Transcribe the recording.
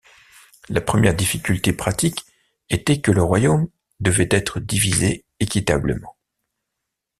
La première difficulté pratique était que le royaume devait être divisé équitablement.